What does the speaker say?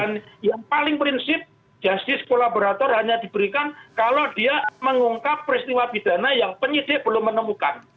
dan yang paling prinsip justice collaborator hanya diberikan kalau dia mengungkap peristiwa pidana yang penyisir belum menemukan